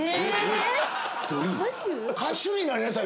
「歌手になりなさい」